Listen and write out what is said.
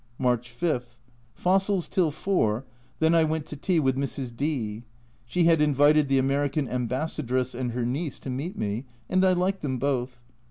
March 5. Fossils till 4 then I went to tea with Mrs. D . She had invited the American Ambassadress and her niece to meet me, and I liked them both.